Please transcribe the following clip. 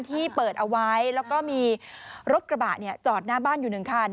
ที่เปิดเอาไว้แล้วก็มีรถกระบะจอดหน้าบ้านอยู่หนึ่งคัน